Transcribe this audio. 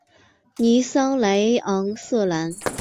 尼桑莱昂瑟兰。